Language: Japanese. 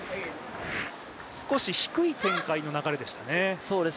少し低い展開の流れでしたね。